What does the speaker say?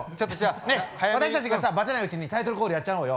ねえ私たちがバテないうちにタイトルコールやっちゃおうよ。